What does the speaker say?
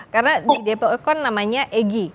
karena di dpuk namanya egi